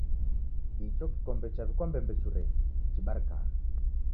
Icho kikombe chaw'ikwa mbembechurenyi chibarikagha!